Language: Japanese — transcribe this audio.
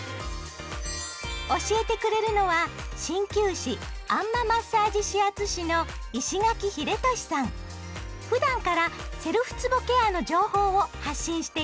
教えてくれるのは鍼灸師あん摩マッサージ指圧師のふだんからセルフつぼケアの情報を発信しています。